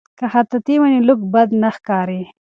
که خطاطي وي نو لیک نه بد ښکاریږي.